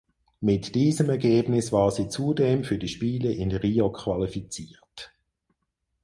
Mit diesem Ergebnis war sie zudem für die Spiele in Rio qualifiziert.